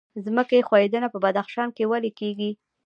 ځمکې ښویدنه په بدخشان کې ولې کیږي؟